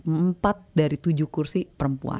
empat dari tujuh kursi perempuan